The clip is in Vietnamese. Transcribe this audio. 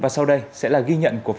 quảng viên antv